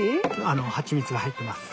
あのハチミツが入ってます。